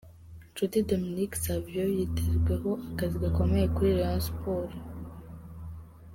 Nshuti Dominique Savio yitezweho akazi gakomeye kuri Rayon Sports.